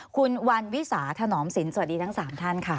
คุณวันวิสาธนอมสินสวัสดีทั้ง๓ท่านค่ะ